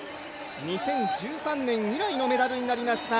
２０１３年以来のメダルになりました。